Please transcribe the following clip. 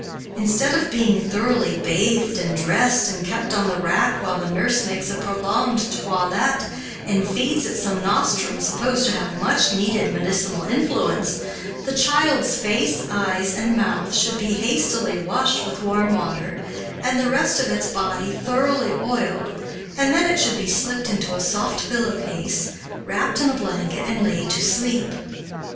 Instead of being thoroughly bathed and dressed, and kept on the rack while the nurse makes a prolonged toilet and feeds it some nostrum supposed to have much needed medicinal influence, the child's face, eyes, and mouth should be hastily washed with warm water, and the rest of its body thoroughly oiled, and then it should be slipped into a soft pillow case, wrapped in a blanket, and laid to sleep.